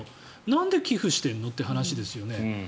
なんで寄付してんの？って話ですよね。